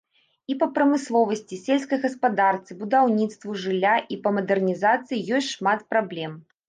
І па прамысловасці, сельскай гаспадарцы, будаўніцтву жылля, і па мадэрнізацыі ёсць шмат праблем.